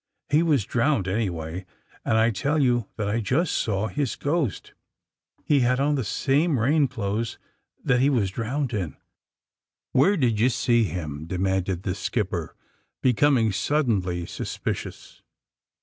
He was drowned, anyway, and I tell you that I just saw his ghost. He had on the same rain clothes that he was drowned in !"'* Where did you see himl" demanded the skipper, becoming suddenly suspicious.